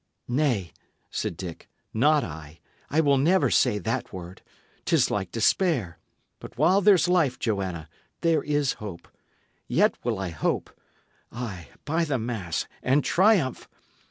"Nay," said Dick, "not I; I will never say that word. 'Tis like despair; but while there's life, Joanna, there is hope. Yet will I hope. Ay, by the mass, and triumph!